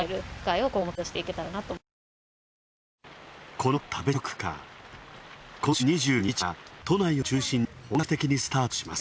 この食べチョクカー、今週２２日から、都内を中心に本格的にスタートします。